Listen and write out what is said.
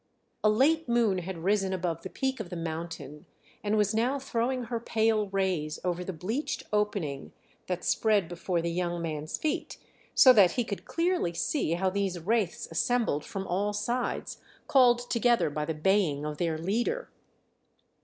A late moon had risen above the peak of the mountain, and was now throwing her pale rays over the bleached opening that spread before the young man's feet, so that he could clearly see how these wraiths assembled from all sides, called together by the baying of their leader.